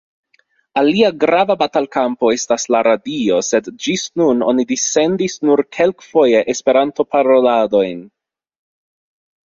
Alia grava batalkampo estas la radio, sed ĝis nun oni dissendis nur kelkfoje Esperanto-paroladojn.